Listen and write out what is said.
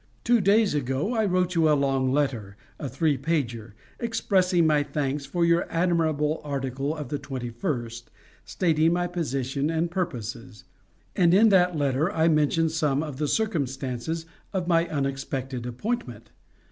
Two days ago I wrote you a long letter a three pager expressing my thanks for your admirable article of the 21st, stating my position and purposes; and in that letter I mentioned some of the circumstances of my unexpected appointment.